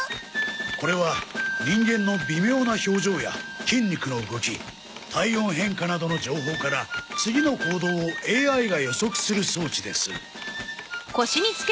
これは人間の微妙な表情や筋肉の動き体温変化などの情報から次の行動をＡＩが予測する装置です。